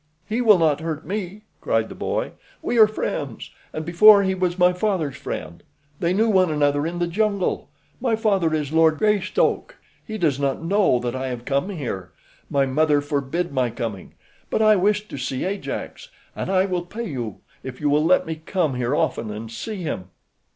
"He will not hurt me," cried the boy. "We are friends, and before, he was my father's friend. They knew one another in the jungle. My father is Lord Greystoke. He does not know that I have come here. My mother forbid my coming; but I wished to see Ajax, and I will pay you if you will let me come here often and see him."